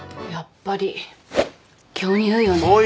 やっぱり巨乳よね。